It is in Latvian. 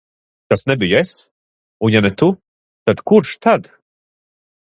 Tas nebiju es, un ja ne tu, tad kurš tad?